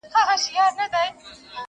او چي غټ سي په ټولۍ کي د سیالانو٫